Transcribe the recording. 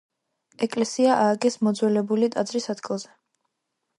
ეკლესია ააგეს მოძველებული ტაძრის ადგილზე.